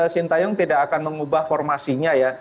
sintayong tidak akan mengubah formasinya ya